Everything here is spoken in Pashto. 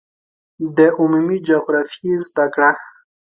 د عمومي جغرافیې زده کړه